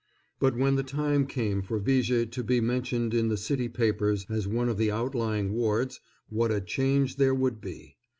But when the time came for Viger to be mentioned in the city papers as one of the outlying wards, what a change there would be!